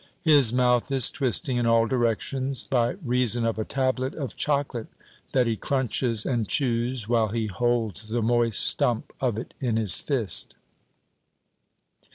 His mouth is twisting in all directions, by reason of a tablet of chocolate that he crunches and chews, while he holds the moist stump of it in his fist.